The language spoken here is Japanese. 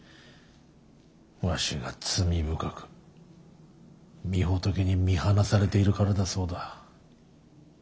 わしが罪深く御仏に見放されているからだそうだ。